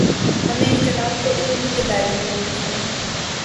ہمیں اختلاف کو علم ہی کے دائرے میں رکھنا چاہیے۔